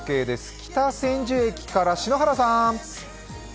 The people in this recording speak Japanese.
北千住駅から篠原さん。